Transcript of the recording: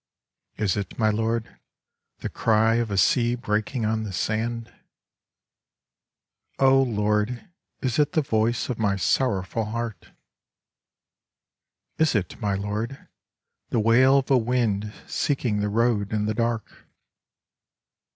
Is it, my Lord, the cry of a sea breaking on the sand ? Oh Lord, is it the voice of my sorrowful heart ? Is it, my Lord, the wail of a wind seeking the road in the dark?